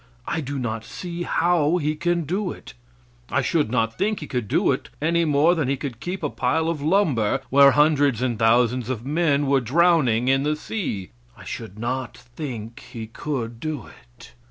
I do not see how he can do it. I should not think he could do it any more than he could keep a pile of lumber where hundreds and thousands of men were drowning in the sea. I should not think he could do it.